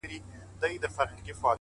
• اوښکي نه راتویومه خو ژړا کړم ـ